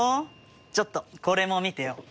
ちょっとこれも見てよ。